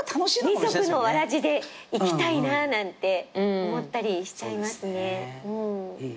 二足のわらじでいきたいななんて思ったりしちゃいますね。